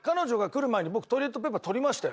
僕トイレットペーパー取りましたよ。